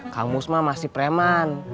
kang mus masih preman